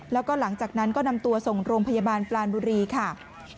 แล้วก็หลังจากนั้นก็นำตัวส่งโรงพยาบาลปลานบุรีค่ะ